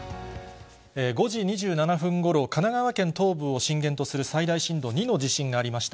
５時２７分ごろ、神奈川県東部を震源とする最大震度２の地震がありました。